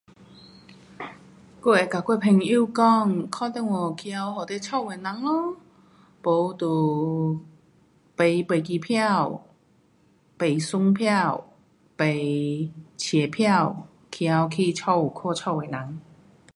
我会跟我的朋友讲，打电话回家给你家的人咯。没就买飞机票，买船票，买车票回家去家看家的人。